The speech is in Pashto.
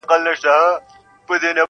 نه ملکانو څه ویل نه څه ویله مُلا-